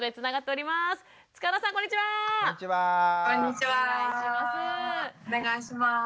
お願いします。